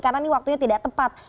karena ini waktunya tidak tepat